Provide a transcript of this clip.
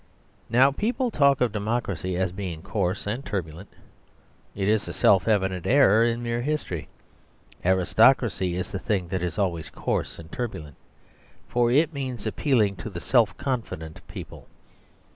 Now people talk of democracy as being coarse and turbulent: it is a self evident error in mere history. Aristocracy is the thing that is always coarse and turbulent: for it means appealing to the self confident people.